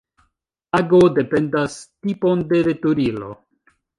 Pago dependas tipon de veturilo.